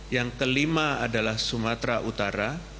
yang kelima adalah sumatera utara